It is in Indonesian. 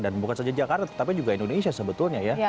dan bukan saja jakarta tetapi juga indonesia sebetulnya ya